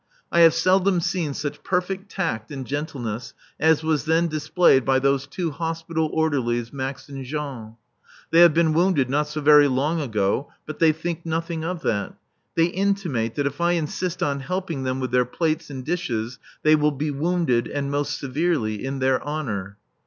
I have seldom seen such perfect tact and gentleness as was then displayed by those two hospital orderlies, Max and Jean. They had been wounded not so very long ago. But they think nothing of that. They intimate that if I insist on helping them with their plates and dishes they will be wounded, and more severely, in their honour.